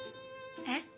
えっ？